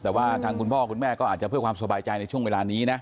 แต่ว่าทางคุณพ่อคุณแม่ก็อาจจะเพื่อความสบายใจในช่วงเวลานี้นะ